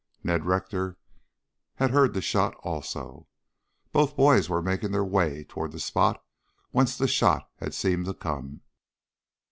Ned Rector had heard the shot also. Both boys were making their way toward the spot whence the shot had seemed to come.